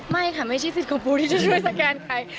ไม่ค่ะไม่ใช่สิทธิ์ของปูที่จะช่วยสแกนใคร